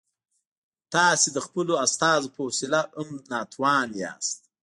تاسو د خپلو استازو په وسیله هم ناتوان یاست.